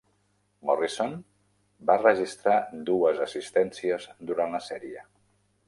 Morrison va registrar dues assistències durant la sèrie.